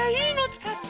つかって。